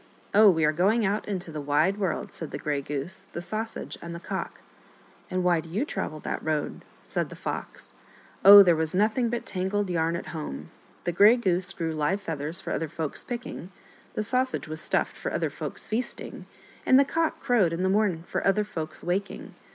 " Oh, we are going out into the wide world," said the Grey Goose, the Sausage, and the Cock. " And why do you travel that road ?" said the Fox. Oh, there was nothing but tangled yarn at home ; the Grey Goose grew live feathers for other folk's picking, the Sausage was stuffed for other folk's feasting, and the Cock crowed in the mom for other folk's waking.